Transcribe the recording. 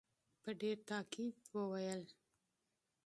په ډېر تاءکید وویل.